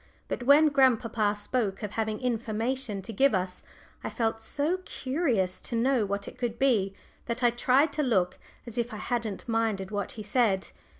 But when grandpapa spoke of having information to give us, I felt so curious to know what it could be that I tried to look as if I hadn't minded what he said.